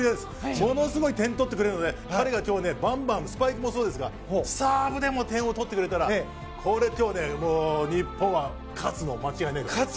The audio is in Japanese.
ものすごい点を取ってくれるので彼が今日、スパイクもそうですがサーブでも点を取ってくれたら今日は日本は勝つのは間違いないです。